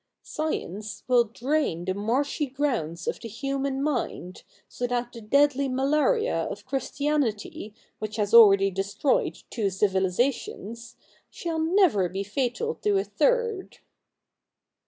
Science will drain the marshy grounds of the human mind, so that the deadly malaria of Christianity, which has already destroyed two civilisations, shall never be fatal to a third.'